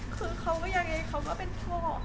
คือเขายังไงเขาก็เป็นพ่อ